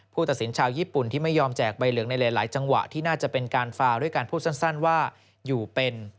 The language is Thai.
ตัดสินชาวญี่ปุ่นที่ไม่ยอมแจกใบเหลืองในหลายจังหวะที่น่าจะเป็นการฟาวด้วยการพูดสั้นว่าอยู่เป็น